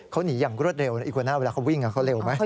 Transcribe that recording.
เขาหนีอย่างรวดเร็วนะอีกหัวหน้าเวลาเขาวิ่งเขาเร็วไหม